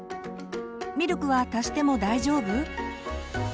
「ミルクは足しても大丈夫？」。